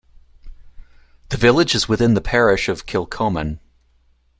The village is within the parish of Kilchoman.